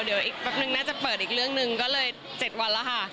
เดี๋ยวอีกแป๊บนึงน่าจะเปิดอีกเรื่องหนึ่งก็เลย๗วันแล้วค่ะ